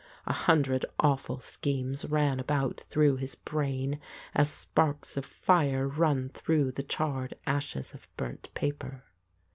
A hundred awful schemes ran about through his brain, as sparks of fire run through the charred ashes of burnt paper.